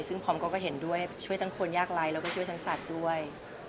ซึ่งพร้อมก็เห็นด้วยช่วยทั้งคนยากไร้แล้วก็ช่วยทั้งสัตว์ด้วย